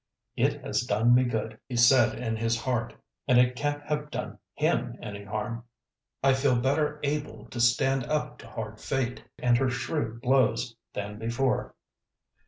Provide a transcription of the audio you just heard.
"It has done me good," he said in his heart; "and it can't have done him any harm. I feel better able to stand up to hard Fate and her shrewd blows than before."